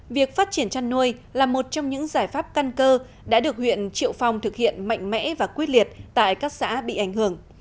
việc phát triển chăn nuôi là một trong những giải pháp căn cơ đã được huyện triệu phong thực hiện mạnh mẽ và quyết liệt tại các xã bị ảnh hưởng